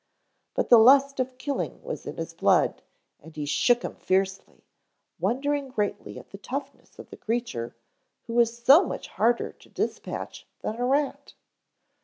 But the lust of killing was in his blood, and he shook him fiercely, wondering greatly at the toughness of the creature, who was so much harder to dispatch than a rat.